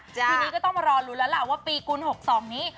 ทีนี้ก็ต้องมารอรู้แล้วล่ะว่าปีกูลหกสองนี้